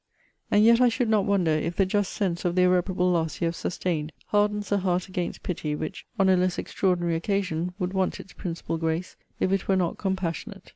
And yet I should not wonder, if the just sense of the irreparable loss you have sustained hardens a heart against pity, which, on a less extraordinary occasion, would want its principal grace, if it were not compassionate.